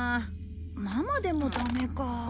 ママでもダメか。